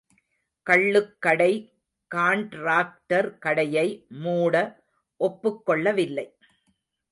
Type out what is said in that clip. கள்ளுக்கடை காண்ட்ராக்டர் கடையை மூட ஒப்புக் கொள்ளவில்லை.